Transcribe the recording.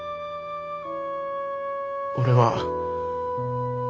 俺は。